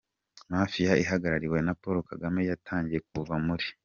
Mafia ihagarariwe na Paul Kagame yatangiye kuva muri